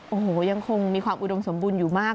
โอ้โหยังคงมีความอุดมสมบูรณ์อยู่มาก